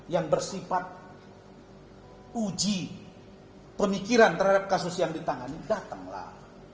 yang bersifat uji pemikiran terhadap kasus yang ditangani datanglah